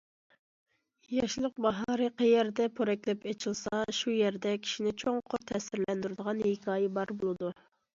ياشلىق باھارى قەيەردە پورەكلەپ ئېچىلسا، شۇ يەردە كىشىنى چوڭقۇر تەسىرلەندۈرىدىغان ھېكايە بار بولىدۇ.